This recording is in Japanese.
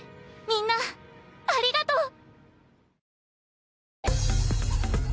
みんなありがとう！